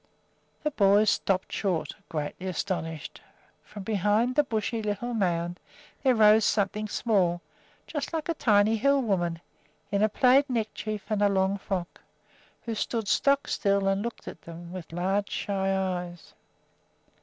The boys stopped short, greatly astonished. From behind the bushy little mound there arose something small, just like a tiny "hill woman," in a plaid neckerchief and a long frock, who stood stock still and looked at them with large, shy eyes.